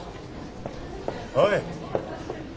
おい！